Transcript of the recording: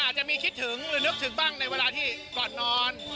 อาจจะมีคิดถึงหรือนึกถึงบ้างในเวลาที่ก่อนนอน